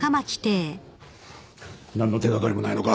何の手掛かりもないのか？